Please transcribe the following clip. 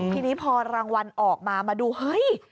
ทีนี้พอรางวัลออกมามาดูเฮ้ย